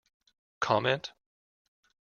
Comment?